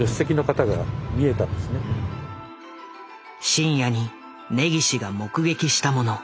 深夜に根岸が目撃したもの。